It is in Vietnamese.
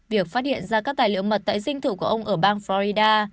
việc phát hiện ra các tài liệu mật tại dinh thử của ông ở bang florida